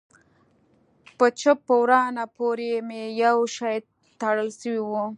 په چپ ورانه پورې مې يو شى تړل سوى و.